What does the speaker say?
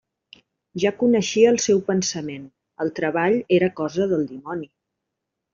Ja coneixia el seu pensament: el treball era cosa del dimoni.